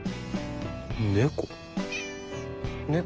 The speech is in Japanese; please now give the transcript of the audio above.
猫？